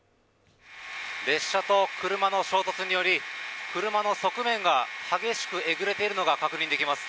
列車と車の衝突により車の側面が激しくえぐれているのが確認できます